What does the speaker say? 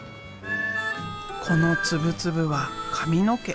この粒々は髪の毛。